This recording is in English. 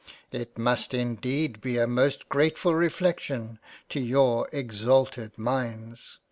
" It must indeed be a most gratefull reflection, to your exalted minds."